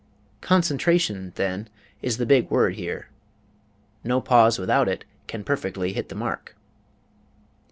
Concentration, then, is the big word here no pause without it can perfectly hit the mark.